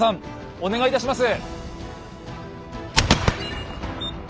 お願いいたします。